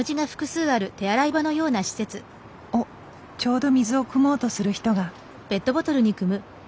おっちょうど水をくもうとする人が。